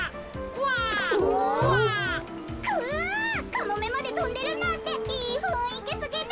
カモメまでとんでるなんていいふんいきすぎる！